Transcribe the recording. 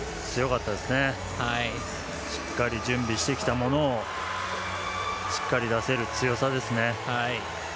しっかり準備してきたものをしっかり出せる強さですね。